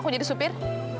aku jadi supir